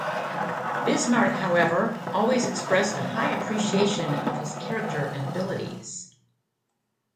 Bismarck, however, always expressed a high appreciation of his character and abilities.